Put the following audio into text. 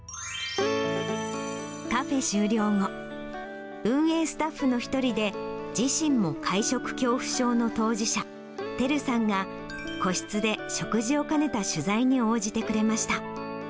カフェ終了後、運営スタッフの一人で、自身も会食恐怖症の当事者、てるさんが、個室で食事を兼ねた取材に応じてくれました。